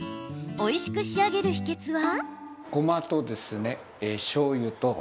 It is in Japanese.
おいしく仕上げる秘けつは？